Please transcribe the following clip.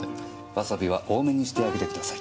わさびは多めにしてあげてください。